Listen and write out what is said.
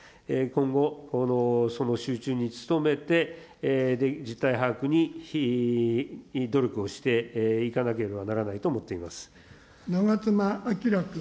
今後、その収集に努めて実態把握に努力をしていかなければならないと思長妻昭君。